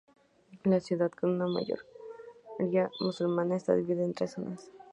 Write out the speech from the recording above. La ciudad, con una gran mayoría musulmana, está dividida en tres zonas.